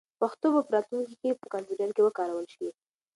پښتو به په راتلونکي کې په کمپیوټر کې وکارول شي.